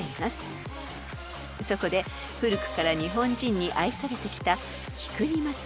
［そこで古くから日本人に愛されてきた］